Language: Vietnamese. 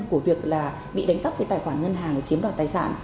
của việc là bị đánh tắp cái tài khoản ngân hàng và chiếm đoạt tài sản